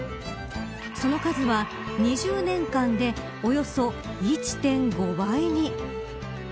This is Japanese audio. その数は２０年間でおよそ１．５倍に。